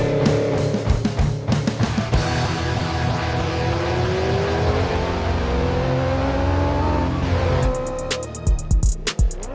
si boy ini anaknya pasti nyebelin banget